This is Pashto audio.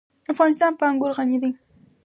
افغانستان په انګور غني دی.